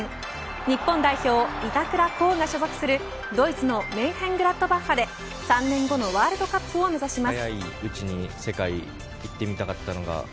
日本代表、板倉滉が所属するドイツのメンヘングラッドバッハで３年後のワールドカップを目指します。